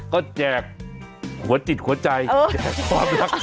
ก็แจกหัวจิตหัวใจแจกความรัก